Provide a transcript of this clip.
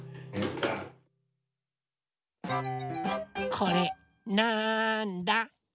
これなんだ？